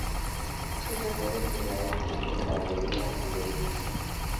Sus mejores unidades eran de caballería y artillería.